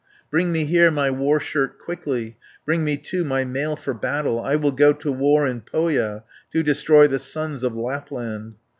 Bring me here my war shirt quickly, Bring me, too, my mail for battle, I will go to war in Pohja, To destroy the sons of Lapland.